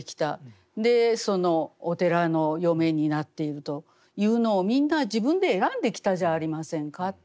でお寺の嫁になっているというのをみんな自分で選んできたじゃありませんか。